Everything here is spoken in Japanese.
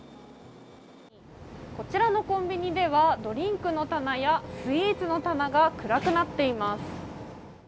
こちらのコンビニではドリンクの棚やスイーツの棚が暗くなっています。